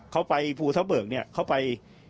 เขาไปภูทะเบิกเนี่ยเขาไป